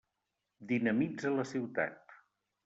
Dinamitza la ciutat.